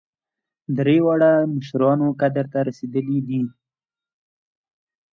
درې واړه مشران قدرت ته رسېدلي دي.